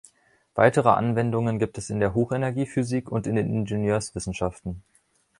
Weitere Anwendungen gibt es in der Hochenergiephysik und in den Ingenieurwissenschaften.